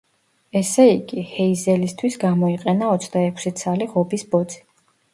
ესე იგი, ჰეიზელისთვის გამოიყენა ოცდაექვსი ცალი ღობის ბოძი.